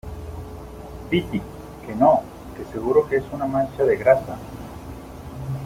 piti , que no , que seguro que es una mancha de grasa .